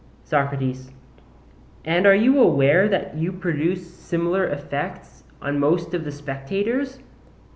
SOCRATES: And are you aware that you produce similar effects on most of the spectators?